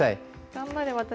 頑張れ私。